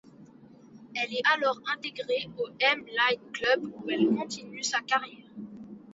Elle est alors intégrée au M-line club où elle continue sa carrière.